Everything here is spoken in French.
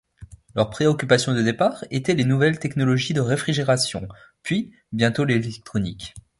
Leur préoccupation de départ était les nouvelles technologies de réfrigération, puis bientôt l'électronique.